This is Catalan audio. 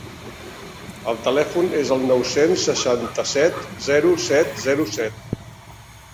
El telèfon és el nou-cents seixanta-set zero set zero set.